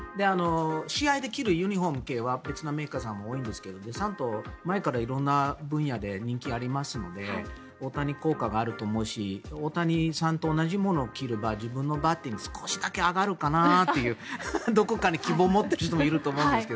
試合で着るユニホーム系は別のメーカーさんが多いんですがデサントは前から色んな分野で人気がありますので大谷効果があると思うし大谷さんと同じものを着れば自分のバッティングも少しだけ上がるかなというどこかに希望を持っている人もいると思うんですが。